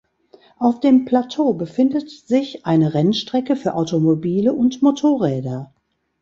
Auf dem Plateau befindet sich eine Rennstrecke für Automobile und Motorräder.